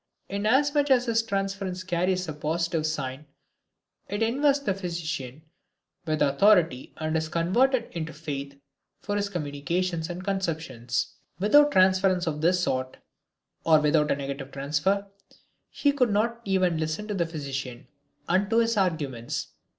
Inasmuch as his transference carries a positive sign, it invests the physician with authority and is converted into faith for his communications and conceptions. Without transference of this sort, or without a negative transfer, he would not even listen to the physician and to his arguments.